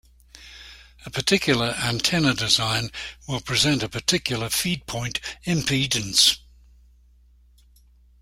A particular antenna design will present a particular feedpoint impedance.